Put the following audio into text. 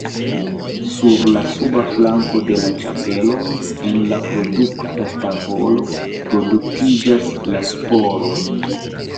Sur la suba flanko de la ĉapelo, en la produkta tavolo, produktiĝas la sporoj.